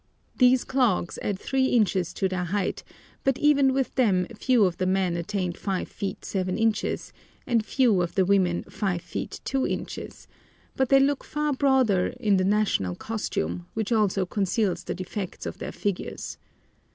These clogs add three inches to their height, but even with them few of the men attained 5 feet 7 inches, and few of the women 5 feet 2 inches; but they look far broader in the national costume, which also conceals the defects of their figures.